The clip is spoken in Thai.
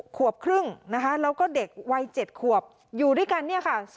ขวบครึ่งนะคะแล้วก็เด็กวัย๗ขวบอยู่ด้วยกันเนี่ยค่ะ